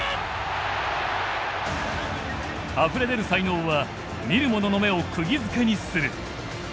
あふれ出る才能は見る者の目をくぎづけにする。